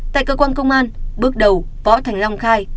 tại cơ quan công an bước đầu võ thành long khai